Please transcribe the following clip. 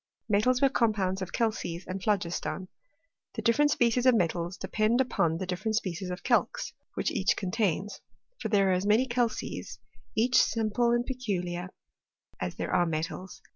Metals were compounds of calces and phlogiston. The different species of metals depend upon the dif ferent species of calx which each contains ; for there are as many calces (each simple and peculiar) as there are metals.